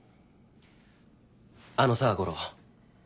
あのさ悟郎